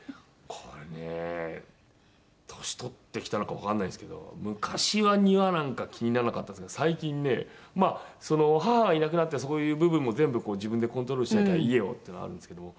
これね年取ってきたのかわからないんですけど昔は庭なんか気にならなかったんですが最近ねまあ母がいなくなってそういう部分も全部こう自分でコントロールしなきゃ家をっていうのはあるんですけども。